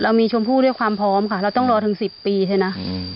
มีชมพู่ด้วยความพร้อมค่ะเราต้องรอถึง๑๐ปีใช่ไหม